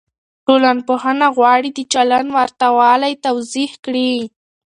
ټولنپوهنه غواړي د چلند ورته والی توضيح کړي.